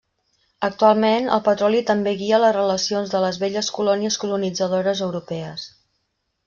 Actualment, el petroli també guia les relacions de les velles colònies colonitzadores europees.